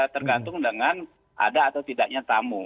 tergantung dengan ada atau tidaknya tamu